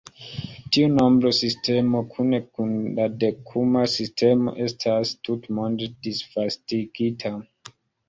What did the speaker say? Tiu nombrosistemo, kune kun la Dekuma sistemo, estas tutmonde disvastigita.